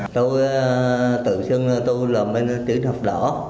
tôi tự chân tôi làm bên tiểu học đỏ